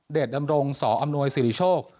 เดชน์ดำรงสออำนวยศิริโชค